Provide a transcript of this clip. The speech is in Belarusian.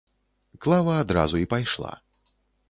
Клава адразу і пайшла.